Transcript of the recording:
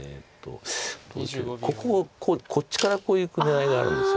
ここをこっちからこういく狙いがあるんですよね。